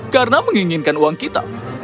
karena menginginkan uang kita